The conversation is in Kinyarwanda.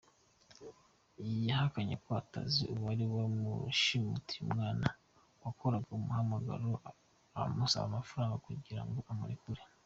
Yahakanye ko atazi uwari wamushimutiye umwana wahoraga amuhamagara amusaba amafaranga kugira ngo amurekure.